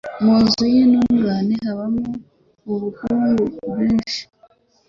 Mu nzu y’intungane habamo ubukungu bwinshi